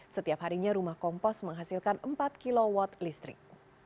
setiap harinya rumah kompos menghasilkan empat kw listrik